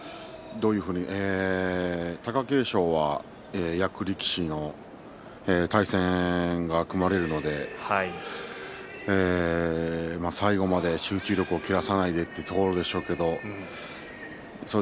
貴景勝は役力士の対戦が組まれるので最後まで集中力を切らさないでというところでしょうけれど